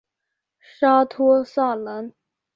沙托萨兰。